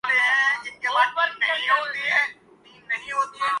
میں آپ کی واپسی تک یہیں انتظار کروں گا